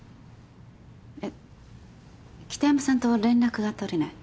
えっ北山さんと連絡が取れない？